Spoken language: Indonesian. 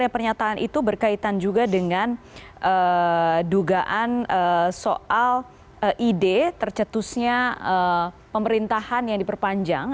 pernyataan itu berkaitan juga dengan dugaan soal ide tercetusnya pemerintahan yang diperpanjang